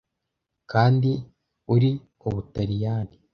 Kandi uri Ubutaliyani;